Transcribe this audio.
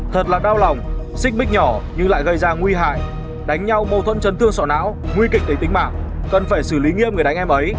thật là đau lòng xích mích nhỏ nhưng lại gây ra nguy hại đánh nhau mâu thuẫn chấn thương sỏ não nguy kịch đến tính mạng cần phải xử lý nghiêm người đánh em ấy